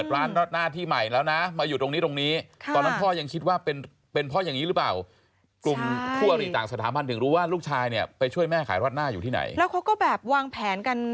ร้านรอดหน้าที่ใหม่แล้วนะ